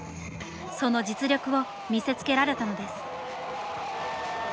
その実力を見せつけられたのです！